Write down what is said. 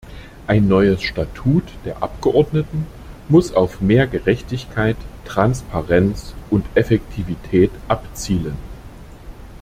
Ein neues Statut der Abgeordneten muss auf mehr Gerechtigkeit, Transparenz und Effektivität abzielen.